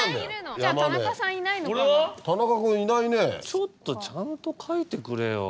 ちょっとちゃんと描いてくれよ。